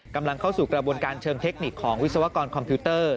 กำลังเข้าสู่กระบวนการเชิงเทคนิคของวิศวกรคอมพิวเตอร์